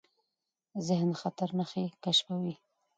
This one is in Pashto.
ذهن د خطر نښې کشفوي.